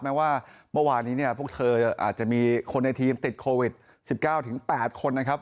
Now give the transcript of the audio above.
แม้ว่าเมื่อวานนี้เนี่ยพวกเธออาจจะมีคนในทีมติดโควิด๑๙๘คนนะครับ